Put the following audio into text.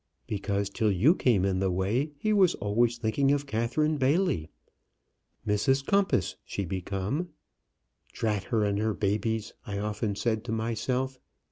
Because till you came in the way he was always thinking of Catherine Bailey. Mrs Compas she become. 'Drat her and her babies!' I often said to myself.